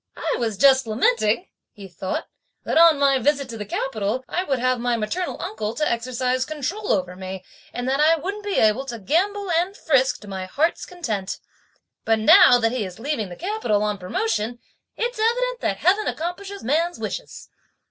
"I was just lamenting," he thought, "that on my visit to the capital, I would have my maternal uncle to exercise control over me, and that I wouldn't be able to gambol and frisk to my heart's content, but now that he is leaving the capital, on promotion, it's evident that Heaven accomplishes man's wishes."